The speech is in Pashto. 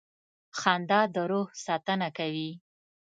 • خندا د روح ساتنه کوي.